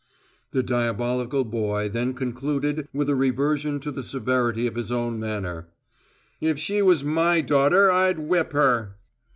The diabolical boy then concluded with a reversion to the severity of his own manner: "If she was my daughter I'd whip her!"